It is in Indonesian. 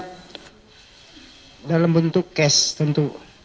dalam bentuk cash tentu